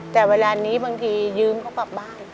แต่เวลานี้บางทียืมเขากลับบ้าน